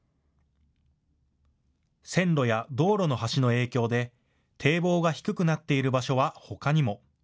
線路や道路の橋の影響で堤防が低くなっている場所はほかにも。